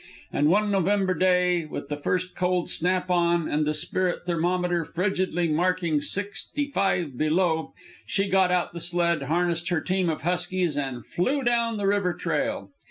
And one November day, with the first cold snap on and the spirit thermometer frigidly marking sixty five below, she got out the sled, harnessed her team of huskies, and flew down the river trail.